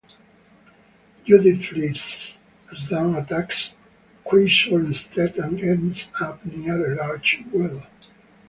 Judith flees as Dowd attacks Quaisoir instead and ends up near a large well.